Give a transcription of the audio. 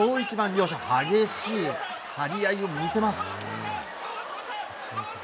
両者、激しい張り合いを見せます。